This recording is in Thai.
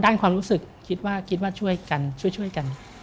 ด้านความรู้สึกคิดว่าช่วยกันช่วยกัน